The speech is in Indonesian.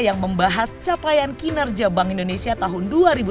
yang membahas capaian kinerja bank indonesia tahun dua ribu tujuh belas